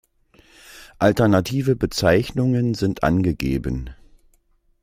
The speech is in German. Alternative Bezeichnungen sind angegeben